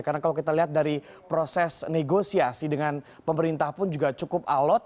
karena kalau kita lihat dari proses negosiasi dengan pemerintah pun juga cukup alot